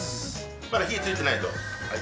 まだ火ついてないぞ。